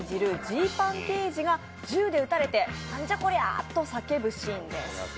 ジーパン刑事が銃で撃たれて「なんじゃこりゃ」と叫ぶシーンです。